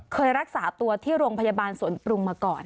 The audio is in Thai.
เคยรักษาตัวที่โรงพยาบาลสวนปรุงมาก่อน